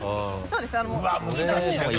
そうです